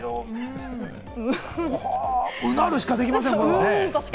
もう、うなるしかできません。